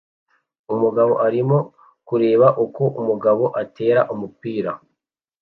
Umugabo arimo kureba uko umugabo atera umupira